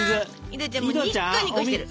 井戸ちゃんニッコニコしてる。